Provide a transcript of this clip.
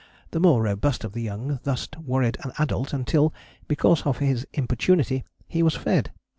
The more robust of the young thus worried an adult until, because of his importunity, he was fed.